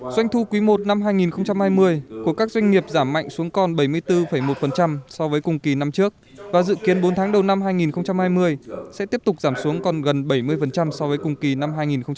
doanh thu quý i năm hai nghìn hai mươi của các doanh nghiệp giảm mạnh xuống còn bảy mươi bốn một so với cùng kỳ năm trước và dự kiến bốn tháng đầu năm hai nghìn hai mươi sẽ tiếp tục giảm xuống còn gần bảy mươi so với cùng kỳ năm hai nghìn một mươi chín